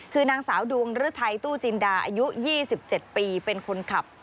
คือนางสาวดวงฤทัยตู้จินดาอายุ๒๗ปีเป็นคนขับ